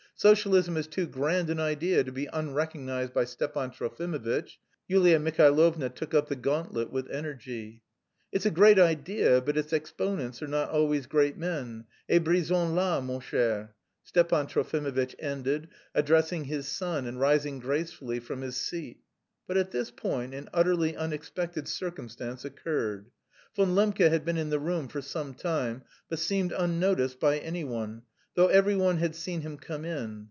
Socialism is too grand an idea to be unrecognised by Stepan Trofimovitch." Yulia Mihailovna took up the gauntlet with energy. "It's a great idea but its exponents are not always great men, et brisons là, mon cher," Stepan Trofimovitch ended, addressing his son and rising gracefully from his seat. But at this point an utterly unexpected circumstance occurred. Von Lembke had been in the room for some time but seemed unnoticed by anyone, though every one had seen him come in.